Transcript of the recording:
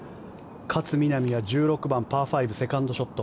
勝みなみは１６番、パー５セカンドショット。